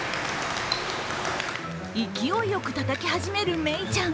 勢いよくたたき始めるメイちゃん。